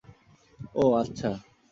ওহ, আচ্ছা।